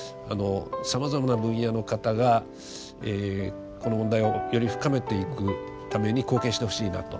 さまざまな分野の方がこの問題をより深めていくために貢献してほしいなと。